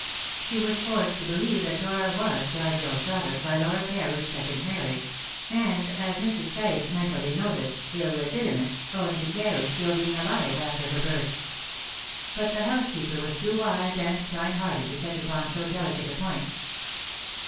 She was forced to believe that Dora was Dargill's daughter by Laura Carew's second marriage, and as Mrs. Tice mentally noted illegitimate, owing to Carew still being alive after her birth. But the housekeeper was too wise and kind hearted to touch upon so delicate a point.